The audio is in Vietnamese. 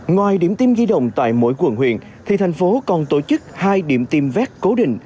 ngoài điểm tim di động tại mỗi quận huyện thì thành phố còn tổ chức hai điểm tiêm vét cố định